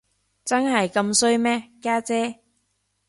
真係咁衰咩，家姐？